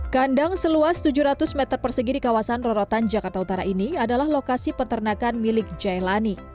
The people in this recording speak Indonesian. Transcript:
kandang seluas tujuh ratus meter persegi di kawasan rorotan jakarta utara ini adalah lokasi peternakan milik jailani